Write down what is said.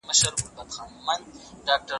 که موږ سست واوسو نو هدف نه ترلاسه کوو.